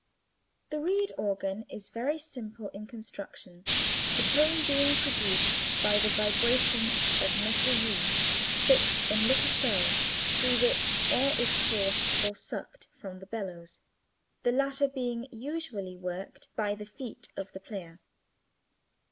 The reed organ is very simple in construction, the tone being produced by the vibration of metal reeds (fixed in little cells), through which air is forced (or sucked) from the bellows, the latter being usually worked by the feet of the player.